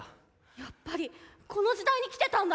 やっぱりこの時代に来てたんだ。